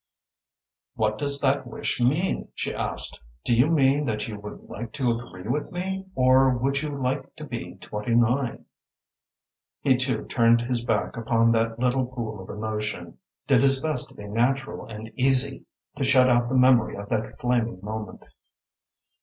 "What does that wish mean?" she asked. "Do you mean that you would like to agree with me, or would you like to be twenty nine?" He too turned his back upon that little pool of emotion, did his best to be natural and easy, to shut out the memory of that flaming moment.